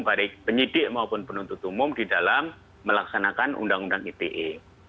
baik penyidik maupun penuntut umum di dalam melaksanakan undang undang ite